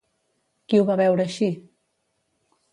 Qui ho va veure així?